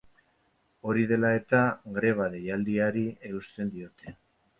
Hori dela eta, greba deialdiari eusten diote.